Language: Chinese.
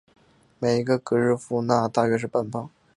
每一个格日夫纳大约是半磅。